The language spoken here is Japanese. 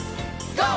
ＧＯ！